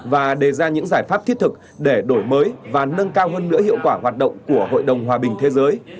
và đề ra những giải pháp thiết thực để đổi mới và nâng cao hơn nữa hiệu quả hoạt động của hội đồng hòa bình thế giới